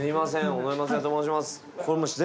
尾上松也と申します。